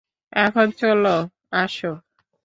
এখন চলো, আসো।